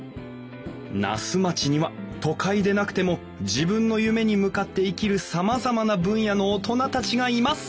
「那須町には都会でなくても自分の夢に向かって生きるさまざまな分野の大人たちがいます」。